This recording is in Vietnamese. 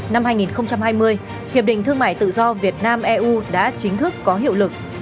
năm hai nghìn hai mươi hiệp định thương mại tự do việt nam eu đã chính thức có hiệu lực